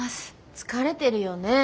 疲れてるよねえ。